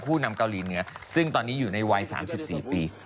นำเกาหลีเหนือซึ่งตอนนี้อยู่ในวัย๓๔ปี